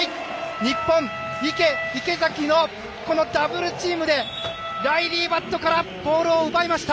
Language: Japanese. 日本、池、池崎のこのダブルチームでライリー・バットからボールを奪いました！